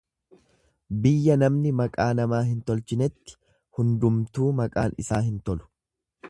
Biyya namni maqaa namaa hin tolchinetti handumtuu maqaan isaa hin tolu.